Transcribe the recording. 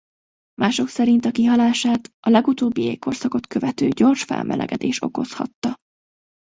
Mások szerint a kihalását a legutóbbi jégkorszakot követő gyors felmelegedés okozhatta.